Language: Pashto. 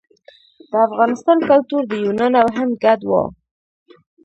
د افغانستان کلتور د یونان او هند ګډ و